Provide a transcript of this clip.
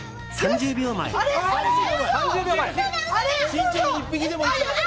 慎重に１匹でもいいから。